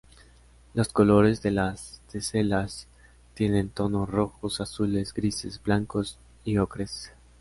Los colores de las teselas tienen tonos rojos, azules, grises, blancos y ocres.